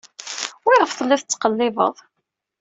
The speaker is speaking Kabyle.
Wiɣef telliḍ tettqellibeḍ?